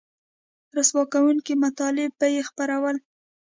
رسوا کوونکي مطالب به یې خپرول